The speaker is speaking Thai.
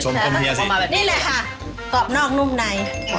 ชมกำเฮียสินี่แหละค่ะกรอบนอกนุ่มในอ่าขอให้